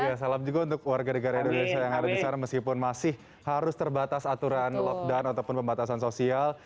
ya salam juga untuk warga negara indonesia yang ada di sana meskipun masih harus terbatas aturan lockdown ataupun pembatasan sosial